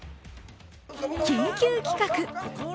緊急企画。